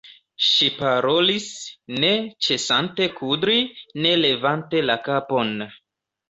Ŝi parolis, ne ĉesante kudri, ne levante la kapon.